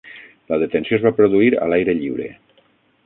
La detenció es va produir a l'aire lliure.